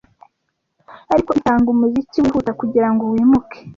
Ariko itanga umuziki wihuta kugirango wimuke